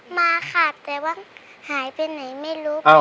มาค่ะแต่ว่าหายไปไหนไม่รู้